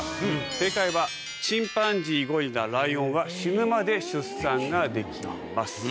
正解はチンパンジーゴリラライオンは死ぬまで出産ができます。